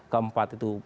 keempat itu pemerintah